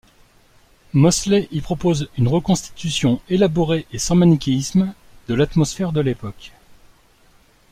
Mosley y propose une reconstitution élaborée et sans manichéisme de l’atmosphère de l’époque.